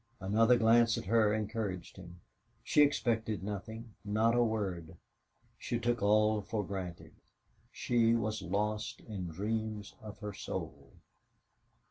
Another glance at her encouraged him. She expected nothing not a word; she took all for granted. She was lost in dreams of her soul.